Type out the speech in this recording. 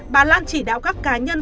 bà lan chỉ đạo các cá nhân